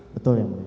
betul ya muridnya